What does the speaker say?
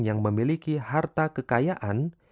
yang memiliki harta kekayaan